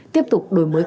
tiếp tục đổi mới